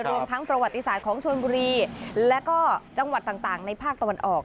รวมทั้งประวัติศาสตร์ของชนบุรีและก็จังหวัดต่างในภาคตะวันออก